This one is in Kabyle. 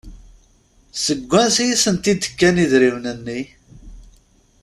Seg ansi i sent-d-kan idrimen-nni?